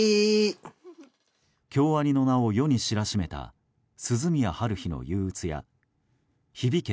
京アニの名を世に知らしめた「涼宮ハルヒの憂鬱」や「響け！